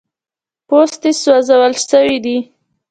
پوستې سوځول سوي دي.